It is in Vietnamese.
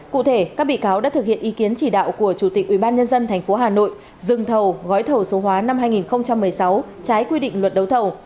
cụ thể các bị cáo đã thực hiện ý kiến chỉ đạo của chủ tịch ubnd tp hà nội dừng thầu gói thầu số hóa năm hai nghìn một mươi sáu trái quy định luật đấu thầu